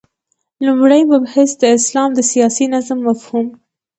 لومړی مبحث : د اسلام د سیاسی نظام مفهوم